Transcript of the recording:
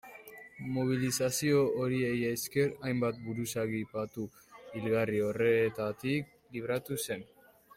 Mobilizazio horiei esker hainbat buruzagi patu hilgarri horretatik libratu zen.